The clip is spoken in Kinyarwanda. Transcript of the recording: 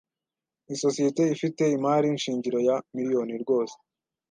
Isosiyete ifite imari shingiro ya miliyoni rwose